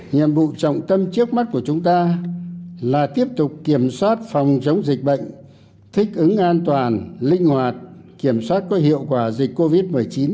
nhiệm vụ trọng tâm trước mắt của chúng ta là tiếp tục kiểm soát phòng chống dịch bệnh thích ứng an toàn linh hoạt kiểm soát có hiệu quả dịch covid một mươi chín